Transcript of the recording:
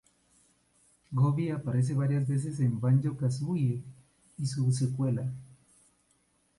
Gobi aparece varias veces en Banjo-Kazooie y su secuela.